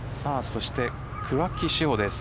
そして桑木志帆です。